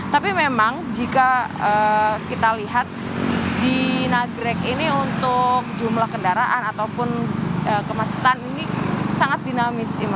tapi memang jika kita lihat di nagrek ini untuk jumlah kendaraan ataupun kemacetan ini sangat dinamis